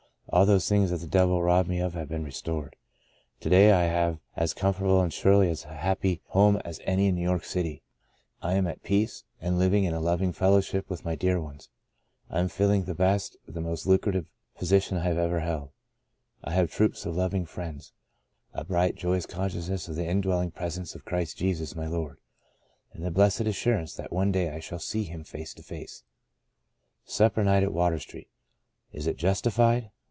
All those things that the devil robbed me of have been restored. To day I have as comfortable and surely as happy a The Breaking of the Bread 67 home as any in New York City ; I am at peace, and living in loving fellowship with my dear ones ; I am filling the best, the most lucrative, position I have ever held. I have troops of loving friends, a bright, joyous consciousness of the indwelling presence of Christ Jesus my Lord, and the blessed assur ance that one day I shall see Him face to face.'' Supper Night at Water Street — is it justi fied?